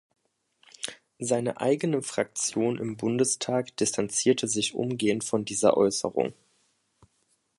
Seine eigene Fraktion im Bundestag distanzierte sich umgehend von dieser Äußerung.